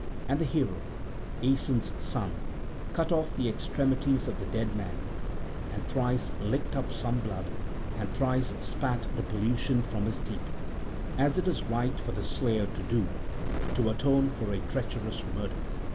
And the hero, Aeson's son, cut off the extremities of the dead man, and thrice licked up some blood and thrice spat the pollution from his teeth, as it is right for the slayer to do, to atone for a treacherous murder.